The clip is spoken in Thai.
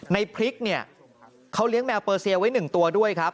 ในพริกเนี่ยเขาเลี้ยงแมวเปอร์เซียไว้๑ตัวด้วยครับ